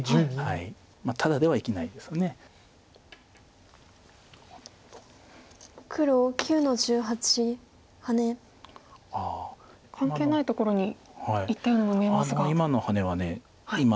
関係ないところにいったようにも見えますが。